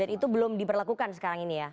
dan itu belum diperlakukan sekarang ini ya